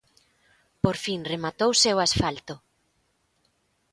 Por fin rematouse o asfalto.